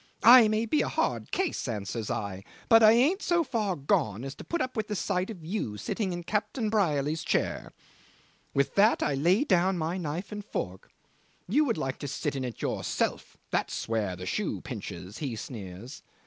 'I may be a hard case,' answers I, 'but I ain't so far gone as to put up with the sight of you sitting in Captain Brierly's chair.' With that I lay down my knife and fork. 'You would like to sit in it yourself that's where the shoe pinches,' he sneers.